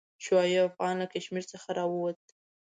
شعیب افغان له کشمیر څخه راووت.